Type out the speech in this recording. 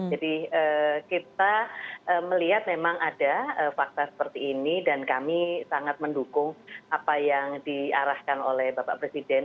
jadi kita melihat memang ada fakta seperti ini dan kami sangat mendukung apa yang diarahkan oleh bapak presiden